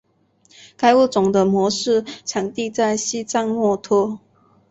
该物种的模式产地在西藏墨脱。